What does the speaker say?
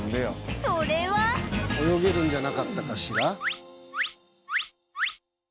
泳げるんじゃなかったかしら？